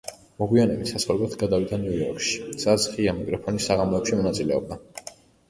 მოგვიანებით საცხოვრებლად გადავიდა ნიუ-იორკში, სადაც ღია მიკროფონის საღამოებში მონაწილეობდა.